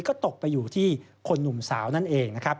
ก็ตกไปอยู่ที่คนหนุ่มสาวนั่นเองนะครับ